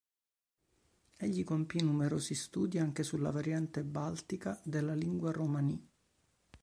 Egli compì numerosi studi anche sulla variante baltica della lingua romaní.